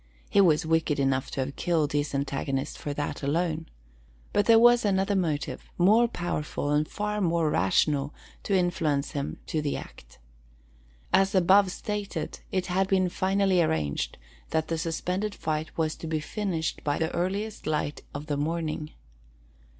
He was wicked enough to have killed his antagonist for that alone. But there was the other motive, more powerful and far more rational to influence him to the act. As above stated, it had been finally arranged that the suspended fight was to be finished by the earliest light of the morning.